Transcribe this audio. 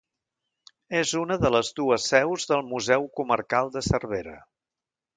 És una de les dues seus del Museu Comarcal de Cervera.